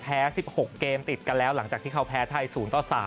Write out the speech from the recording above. ๑๖เกมติดกันแล้วหลังจากที่เขาแพ้ไทย๐ต่อ๓